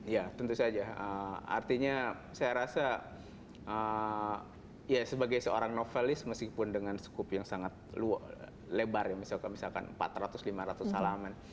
ya tentu saja artinya saya rasa ya sebagai seorang novelis meskipun dengan skup yang sangat lebar ya misalkan empat ratus lima ratus salaman